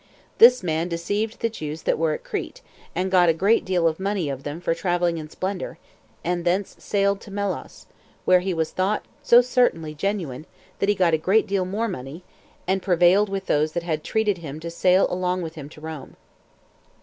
This man deceived the Jews that were at Crete, and got a great deal of money of them for traveling in splendor; and thence sailed to Melos, where he was thought so certainly genuine, that he got a great deal more money, and prevailed with those that had treated him to sail along with him to Rome.